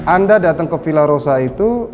anda datang ke villa rosa itu